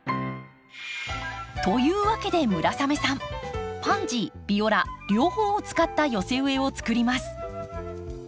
というわけで村雨さんパンジービオラ両方を使った寄せ植えを作ります。